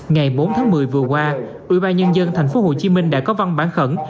ngày bốn tháng một mươi vừa qua ủy ban nhân dân thành phố hồ chí minh đã có văn bản khẩn